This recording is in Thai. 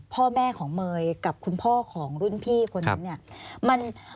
พ่อแม่ของเมย์กับคุณพ่อของรุ่นพี่คนนั้นเนี่ย